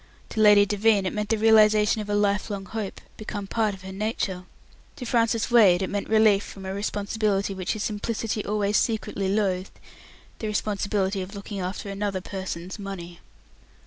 To Lady Devine it meant the realization of a lifelong hope, become part of her nature. To Francis Wade it meant relief from a responsibility which his simplicity always secretly loathed, the responsibility of looking after another person's money.